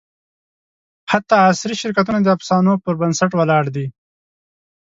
حتی عصري شرکتونه د افسانو پر بنسټ ولاړ دي.